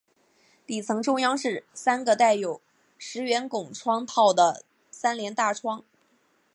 底层中央是三个带有石圆拱窗套的三联大窗。